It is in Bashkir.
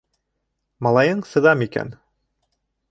- Малайың сыҙам икән.